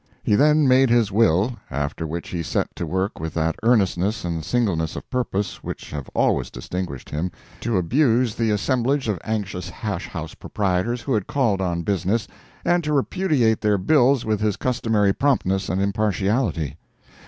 He then made his will, after which he set to work with that earnestness and singleness of purpose which have always distinguished him, to abuse the assemblage of anxious hash house proprietors who had called on business, and to repudiate their bills with his customary promptness and impartiality.